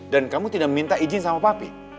dan kamu tidak minta izin sama papi